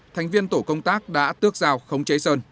thành viên tổ công tác đã tước dao không chế sơn